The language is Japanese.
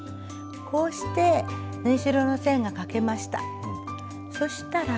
こうして縫い代の線が書けました。